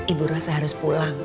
ibu rosa harus pulang